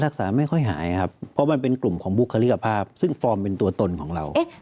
รักษาไม่ค่อยหายครับเพราะมันเป็นกลุ่มของบุคลิกภาพซึ่งฟอร์มเป็นตัวตนของเรา